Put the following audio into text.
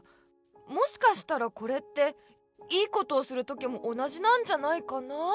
もしかしたらこれって良いことをするときも同じなんじゃないかなぁって。